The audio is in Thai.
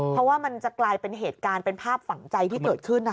เพราะว่ามันจะกลายเป็นเหตุการณ์เป็นภาพฝังใจที่เกิดขึ้น